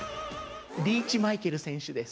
リーチマイケル選手です。